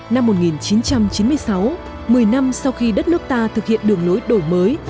năm một nghìn chín trăm chín mươi sáu một mươi năm sau khi đất nước ta thực hiện đường lối đổi mới